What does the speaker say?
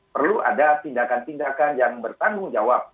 perlu ada tindakan tindakan yang bertanggung jawab